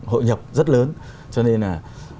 hội nhập rất lớn cho nên là